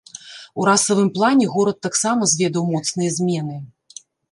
У расавым плане горад таксама зведаў моцныя змены.